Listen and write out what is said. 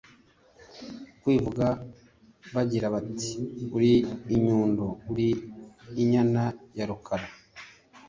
kwivuga bagira bati: “ Uri inyundo, uri inyana ya Rukara